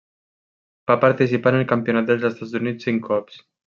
Va participar en el Campionat dels Estats Units cinc cops.